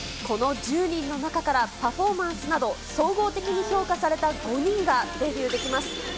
この１０人の中から、パフォーマンスなど総合的に評価された５人がデビューできます。